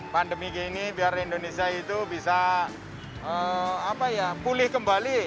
pandemi gini biar indonesia itu bisa pulih kembali